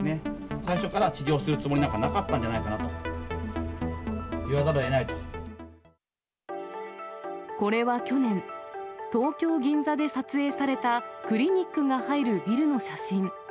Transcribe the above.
最初から治療するつもりなんかなかったんじゃないかと言わざるをこれは去年、東京・銀座で撮影されたクリニックが入るビルの写真。